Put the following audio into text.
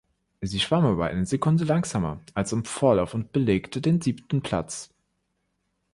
Sie schwamm aber eine Sekunde langsamer als im Vorlauf und belegte den siebten Platz.